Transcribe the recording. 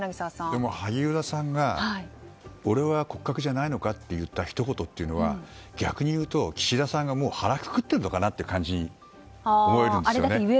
でも、萩生田さんが俺は骨格じゃないのかと言ったひと言は、逆にいうと岸田さんが腹をくくってるのかなという感じに見えますね。